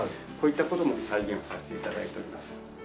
こういった事も再現させて頂いております。